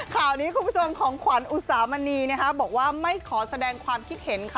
ข่าวนี้คุณผู้ชมของขวัญอุตสามณีนะคะบอกว่าไม่ขอแสดงความคิดเห็นค่ะ